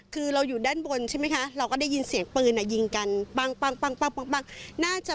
คือเราอยู่ด้านบนใช่ไหมคะเราก็ได้ยินเสียงปืนยิงกันปั้งน่าจะ